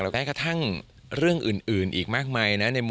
ใกล้กระทั่งเรื่องอื่นอีกมากมายนะ